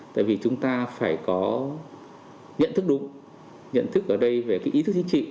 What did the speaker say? tại vì chúng ta phải có nhận thức đúng nhận thức ở đây về cái ý thức chính trị